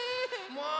もう！